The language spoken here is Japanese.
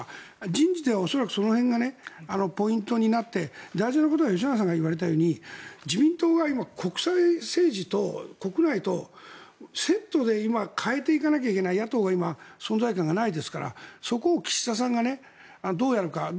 人事では恐らくその辺がポイントになって大事なことは吉永さんが言われたように自民党は今、国際政治と国内とセットで今、変えていかなきゃいけない野党が今、存在感がないですからそこを岸田さんがどうやるか。